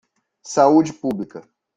Saúde pública.